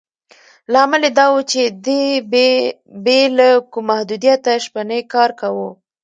لامل یې دا و چې دې به بې له کوم محدودیته شپنی کار کاوه.